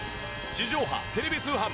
地上波テレビ通販